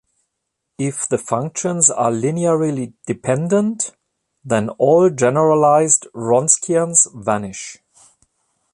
If the functions are linearly dependent then all generalized Wronskians vanish.